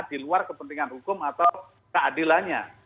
di luar kepentingan hukum atau keadilannya